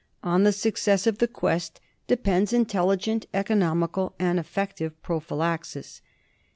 On the success of the quest depends intelligent, economical, and effective pro phylaxis.